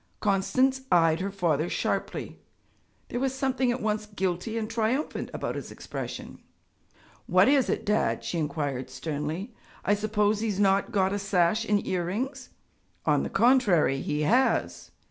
Constance eyed her father sharply. There was something at once guilty and triumphant about his expression. 'What is it, Dad?' she inquired sternly. 'I suppose he has not got a sash and earrings.' 'On the contrary, he has.'